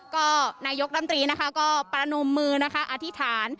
ก็นายกรัมตรีนะคะก็ประนมมือนะคะอธิษฐาน